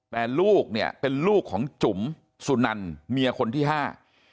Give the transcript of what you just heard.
แต่ลูกเนี่ยเป็นลูกของจุ๋มสุนันเมียคนที่ห้า